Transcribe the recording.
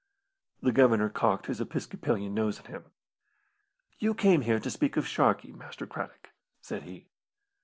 The Governor cocked his episcopalian nose at him. "You came here to speak of Sharkey, Master Craddock," said he.